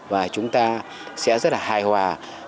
và chúng ta sẽ rất là hài hòa